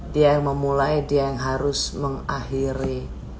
dia memulai dia yang harus mengakhiri